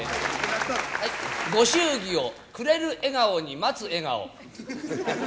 ご祝儀をくれる笑顔に待つ笑顔。